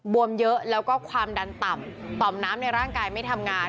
วมเยอะแล้วก็ความดันต่ำต่อมน้ำในร่างกายไม่ทำงาน